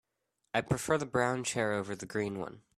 I prefer the brown chair over the green one.